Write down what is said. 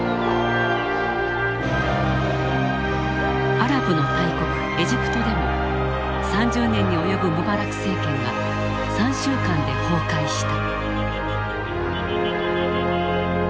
アラブの大国エジプトでも３０年に及ぶムバラク政権が３週間で崩壊した。